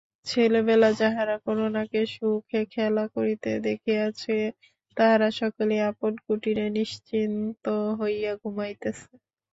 ছেলেবেলা যাহারা করুণাকে সুখে খেলা করিতে দেখিয়াছে তাহারা সকলেই আপন কুটীরে নিশ্চিন্ত হইয়া ঘুমাইতেছে।